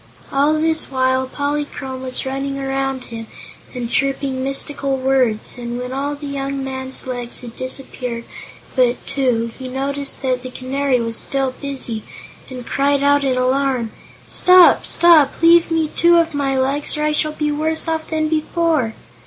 All this while Polychrome was running around him and chirping mystical words, and when all the young man's legs had disappeared but two he noticed that the Canary was still busy and cried out in alarm: "Stop stop! Leave me two of my legs, or I shall be worse off than before."